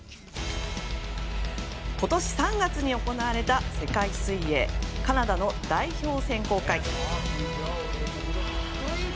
今年３月に行われた世界水泳のカナダ代表選考会。